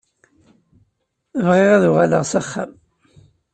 Bɣiɣ ad uɣaleɣ s axxam.